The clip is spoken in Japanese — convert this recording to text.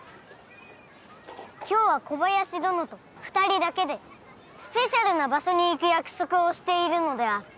今日は小林どのと２人だけでスペシャルな場所に行く約束をしているのである。